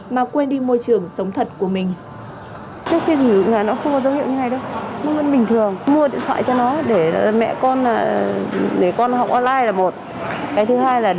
mà quên đi môi trường sống thật của mình